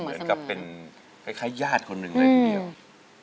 เหมือนกับเป็นคล้ายญาติคนหนึ่งเลยทีเดียว